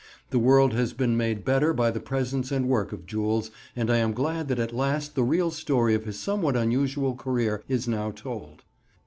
The world has been made better by the presence and work of Jules, and I am glad that at last the real story of his somewhat unusual career is now told.